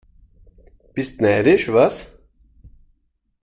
Bist neidisch, was?